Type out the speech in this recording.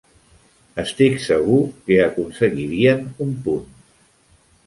Estic segur que aconseguirien un punt!